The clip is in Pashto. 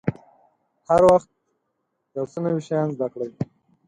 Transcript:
هر وخت یو څه نوي شیان زده کړئ.